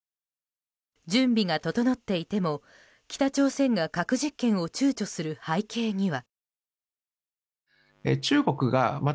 準備が整っていても北朝鮮が核実験を躊躇する背景には。